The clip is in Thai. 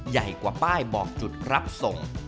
ใหญ่กว่าป้ายบอกจุดรับส่ง